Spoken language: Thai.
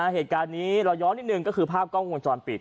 เหตุการณ์นิดนึงเราย้อนก็คือภาพกล้องวงจรปิด